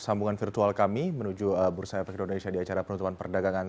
sambungan virtual kami menuju bursa efek indonesia di acara penutupan perdagangan